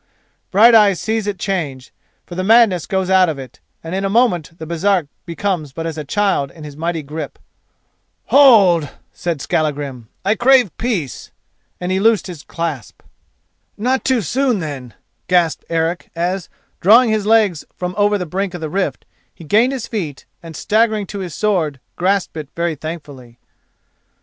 Brighteyes sees it change, for the madness goes out of it, and in a moment the Baresark becomes but as a child in his mighty grip. "Hold!" said Skallagrim, "I crave peace," and he loosed his clasp. "Not too soon, then," gasped Eric as, drawing his legs from over the brink of the rift, he gained his feet and, staggering to his sword, grasped it very thankfully.